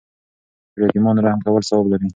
پر یتیمانو رحم کول ثواب لري.